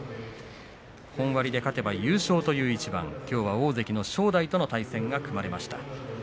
本割で勝てば優勝という一番きょうは大関の正代との対戦が組まれました。